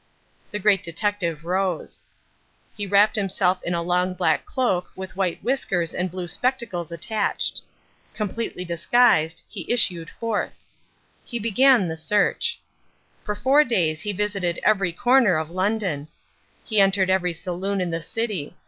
The Great Detective rose. He wrapped himself in a long black cloak with white whiskers and blue spectacles attached. Completely disguised, he issued forth. He began the search. For four days he visited every corner of London. He entered every saloon in the city.